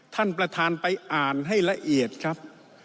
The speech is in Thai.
ท่านประธานไปอ่านให้ละเอียดครับ